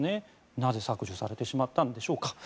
なぜ削除されてしまったんでしょうか。